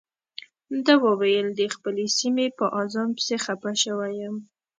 ده وویل د خپلې سیمې په اذان پسې خپه شوی یم.